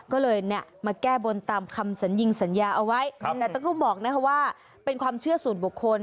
ก็เลยแก้บลตามคำสัญญิงสัญญาแต่เต็มต้องบอกเป็นความเชื่อสุ่นบุคคล